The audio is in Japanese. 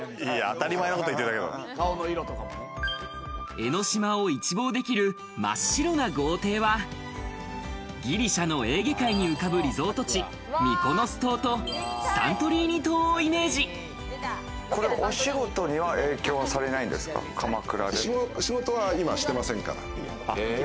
江の島を一望できる真っ白な豪邸は、ギリシャのエーゲ海に浮かぶリゾート地・ミコノス島とお仕事には影響されないんで仕事は今してませんから。